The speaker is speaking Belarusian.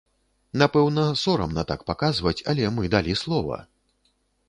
Напэўна, сорамна так паказваць, але мы далі слова!